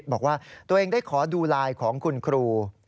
บอกว่าตัวเองได้ขอดูไลน์ของคุณครู